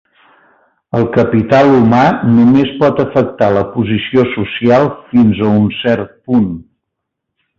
El capital humà només pot afectar la posició social fins a un cert punt.